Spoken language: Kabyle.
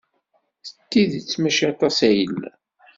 Deg tidet, maci aṭas ay yellan.